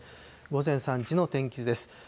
午前３時の天気図です。